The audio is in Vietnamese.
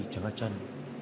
trần cát trần